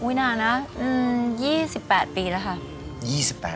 อุ้ยนานนะอืม๒๘ปีแล้วค่ะ